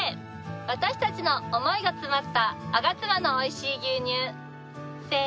私たちの思いが詰まったあがつまのおいしい牛乳せーの。